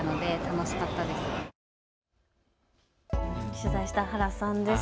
取材した原さんです。